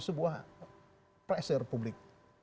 sebuah pressure publik